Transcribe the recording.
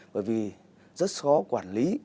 bởi vì rất khó quản lý